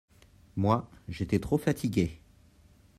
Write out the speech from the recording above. Moi, j'étais trop fatiguée.